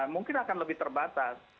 mungkin akan lebih terbatas